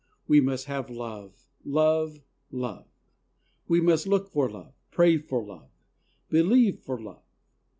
We must have love, love, love! We must look for love, pray for love, believe for love.